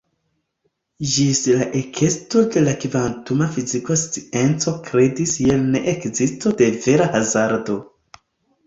Ĝis la ekesto de la kvantuma fiziko scienco kredis je ne-ekzisto de vera hazardo.